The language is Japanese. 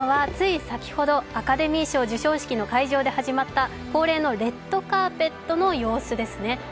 御覧いただいているのは、つい先ほどアカデミー賞授賞式の会場で始まった恒例のレッドカーペットの様子ですね。